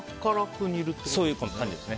そういう感じです。